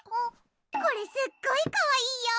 これすっごいかわいいよ！